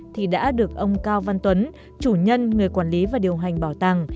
thì đã được ông cao văn tuấn chủ nhân người quản lý và điều hành bảo tàng